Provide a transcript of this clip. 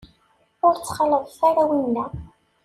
Ur ttxalaḍet ara winna.